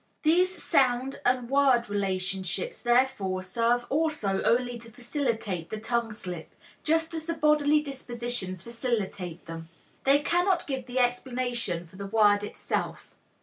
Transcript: These sound and word relationships therefore serve also only to facilitate the tongue slip, just as the bodily dispositions facilitate them; they cannot give the explanation for the word itself.